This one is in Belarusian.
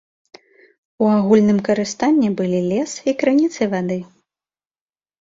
У агульным карыстанні былі лес і крыніцы вады.